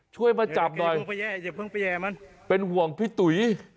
ช่วยมาจับหน่อยอย่าเพิ่งไปแย่อย่าเพิ่งไปแยมันเป็นห่วงพี่ตุ๋ยโอ้